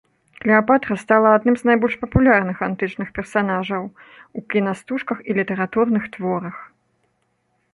Клеапатра стала адным з найбольш папулярных антычных персанажаў у кінастужках і літаратурных творах.